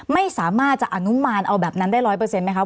ไม่สามารถจะอนุมานเอาแบบนั้นได้ร้อยเปอร์เซ็นต์ไหมคะ